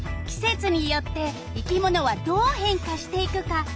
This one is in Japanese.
季節によって生き物はどう変化していくか。